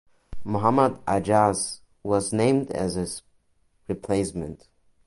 Mohammad Ayaz was named as his replacement.